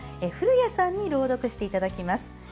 古谷さんに朗読していただきます。